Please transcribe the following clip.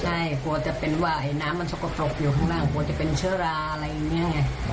ใช่กลัวจะเป็นว่าไอ้น้ำมันสกปรกอยู่ข้างหน้ากลัวจะเป็นเชื้อราอะไรอย่างนี้ไง